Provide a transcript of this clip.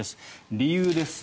理由です。